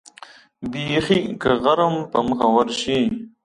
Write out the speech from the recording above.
بېخي که غر هم په مخه ورشي.